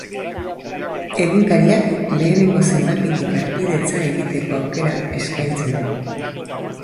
Egunkariak lehenengo zenbakitik harpidetza egiteko aukera eskaintzen du.